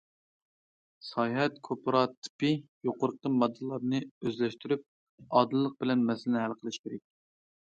ساياھەت كوپىراتىپى يۇقىرىقى ماددىلارنى ئۆزلەشتۈرۈپ، ئادىللىق بىلەن مەسىلىنى ھەل قىلىشى كېرەك.